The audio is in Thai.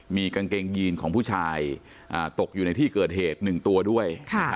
มีกางเกงยีนของผู้ชายตกอยู่ในที่เกิดเหตุ๑ตัวด้วย